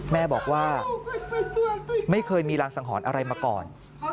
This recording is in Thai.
แม่บอกว่าไม่เคยมีรางสังหรณ์อะไรมาก่อน